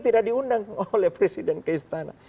tidak diundang oleh presiden keistana